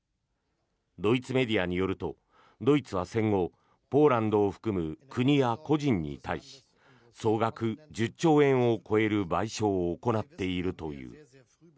ドイツメディアによるとドイツは戦後ポーランドを含む国や個人に対し総額１０兆円を超える賠償を行っているという。